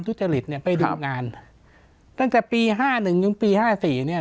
ทุจริตเนี่ยไปดูงานตั้งแต่ปีห้าหนึ่งถึงปีห้าสี่เนี้ย